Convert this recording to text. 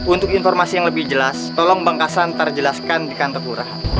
untuk informasi yang lebih jelas tolong bang kasan ntar jelaskan di kantor pura